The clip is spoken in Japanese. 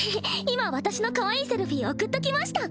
今私のかわいいセルフィー送っときました。